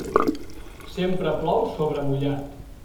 Sempre plou sobre mullat.